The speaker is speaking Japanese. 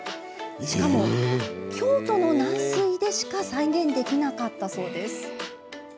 しかも、京都の軟水でしか再現できなかったそうです。